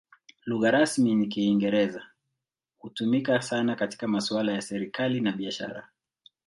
Lugha rasmi ni Kiingereza; hutumika sana katika masuala ya serikali na biashara.